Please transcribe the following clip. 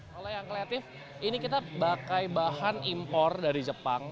kalau yang kreatif ini kita pakai bahan impor dari jepang